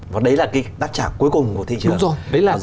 và đấy là cái đáp trả cuối cùng của thị trường